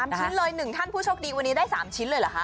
๓ชิ้นเลย๑ท่านผู้โชคดีวันนี้ได้๓ชิ้นเลยเหรอคะ